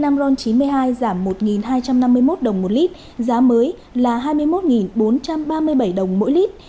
năm ron chín mươi hai giảm một hai trăm năm mươi một đồng một lít giá mới là hai mươi một bốn trăm ba mươi bảy đồng mỗi lít